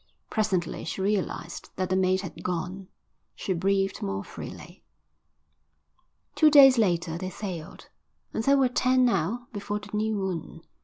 Presently she realised that the mate had gone. She breathed more freely. Two days later they sailed, and there were ten now before the new moon.